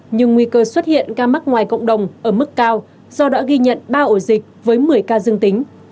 nhưng nguy cơ xuất hiện ca mắc ngoài cộng đồng ở mức cao do đã ghi nhận ba ổ dịch với một mươi ca dương tính